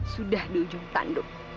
sudah di ujung tanduk